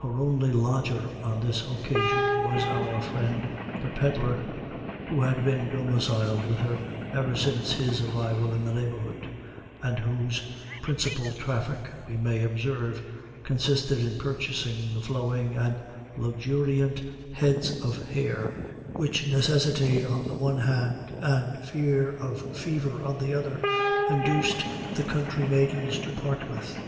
Her only lodger on this occasion was our friend the pedlar, who had been domiciled with her ever since his arrival in the neighborhood, and whose principal traffic, we may observe, consisted in purchasing the flowing and luxuriant heads of hair which necessity on the one hand, and fear of fever on the other, induced the country maidens to part with.